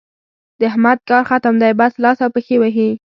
د احمد کار ختم دی؛ بس لاس او پښې وهي.